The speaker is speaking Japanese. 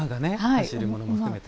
走るものも含めて。